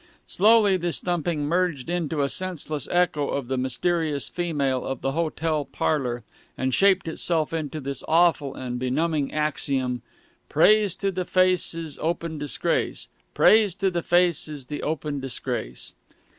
Slowly this thumping merged into a senseless echo of the mysterious female of the hotel parlor, and shaped itself into this awful and benumbing axiom "Praise to the face is open disgrace. Praise to the face is open disgrace."